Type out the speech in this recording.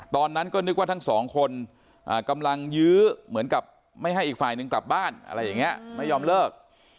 ตอนนั้นก็นึกว่าทั้งสองคนกำลังยื้อเหมือนกับไม่ให้อีกฝ่ายหนึ่งกลับบ้านอะไรอย่างนี้ไม่ยอมเลิก